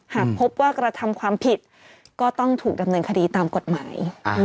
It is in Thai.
หากพบว่ากระทำความผิดก็ต้องถูกดำเนินคดีตามกฎหมาย